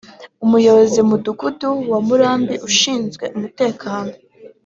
umuyobozi mu mudugudu wa Murambi ushinzwe umutekano